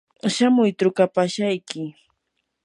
shamuy trukapashayki.